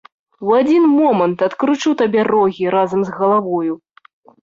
У адзін момант адкручу табе рогі разам з галавою.